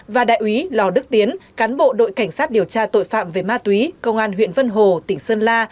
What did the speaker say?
và đại úy lò đức tiến cán bộ đội cảnh sát điều tra tội phạm về ma túy công an huyện vân hồ tỉnh sơn la